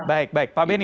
baik pak beni